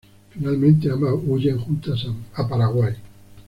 Finalmente ambas huyen juntas a Paraguay.